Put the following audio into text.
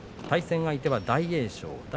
対戦相手は大栄翔。